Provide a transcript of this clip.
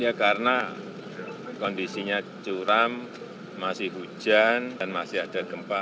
ya karena kondisinya curam masih hujan dan masih ada gempa